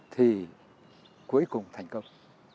thì cuối cùng thành công